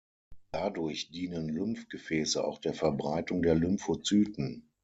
Dadurch dienen Lymphgefäße auch der Verbreitung der Lymphozyten.